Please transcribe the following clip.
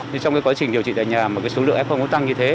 trong quá trình điều trị tại nhà mà số lượng f tăng như thế